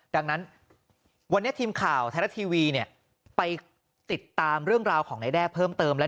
ดังนั้นวันนี้ทีมข่าวไทยรัฐทีวีไปติดตามเรื่องราวของนายแด้เพิ่มเติมแล้ว